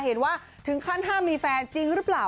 เห็นว่าถึงขั้นห้ามมีแฟนจริงหรือเปล่า